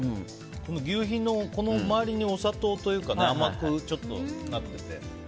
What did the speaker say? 求肥の周りにお砂糖というかちょっと、あって。